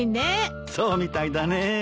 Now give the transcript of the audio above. そうみたいだね。